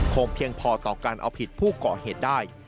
เพียงพอต่อการเอาผิดผู้ก่อเหตุได้